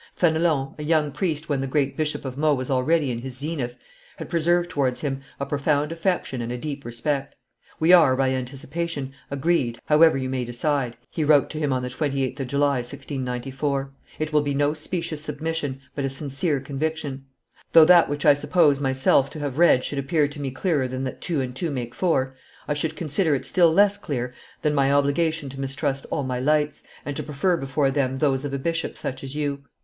Fenelon, a young priest when the great Bishop of Meaux was already in his zenith, had preserved towards him a profound affection and a deep respect. "We are, by anticipation, agreed, however you may decide," he wrote to him on the 28th of July, 1694: "it will be no specious submission, but a sincere conviction. Though that which I suppose myself to have read should appear to me clearer than that two and two make four, I should consider it still less clear than my obligation to mistrust all my lights, and to prefer before them those of a bishop such as you.